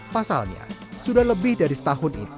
pasalnya sudah lebih dari setahun itu